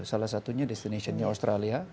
salah satunya destinationnya australia